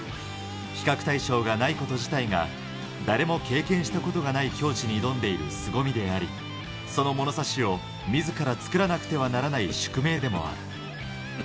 比較対象がないこと自体が、誰も経験したことがない境地に挑んでいるすごみであり、その物差しをみずから作らなくてはならない宿命でもある。